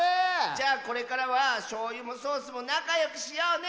じゃあこれからはしょうゆもソースもなかよくしようね！